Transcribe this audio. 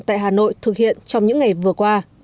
tại hà nội thực hiện trong những ngày vừa qua